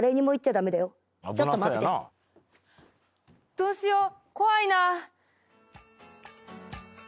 どうしよう。